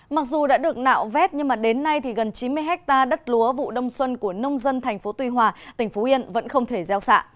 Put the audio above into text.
mặc dù đã được nạo vét nhưng đến nay gần chín mươi hectare đất lúa vụ đông xuân của nông dân tp tuy hòa tỉnh phú yên vẫn không thể gieo xạ